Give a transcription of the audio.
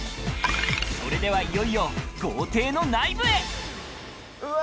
それではいよいよ豪邸の内部へうわ！